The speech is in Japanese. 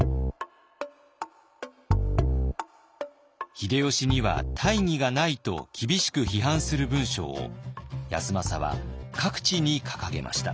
秀吉には大義がないと厳しく批判する文章を康政は各地に掲げました。